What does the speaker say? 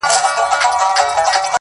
د ښکلا د دُنیا موري، د شرابو د خُم لوري